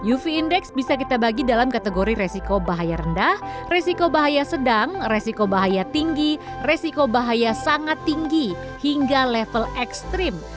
uv index bisa kita bagi dalam kategori resiko bahaya rendah resiko bahaya sedang resiko bahaya tinggi resiko bahaya sangat tinggi hingga level ekstrim